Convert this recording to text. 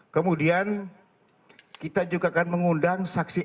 kemudian kita juga akan mengundang saksi